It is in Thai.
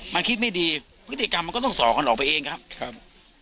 มันคิดไม่ดีพฤติกรรมมันก็ต้องสอกันออกไปเองครับ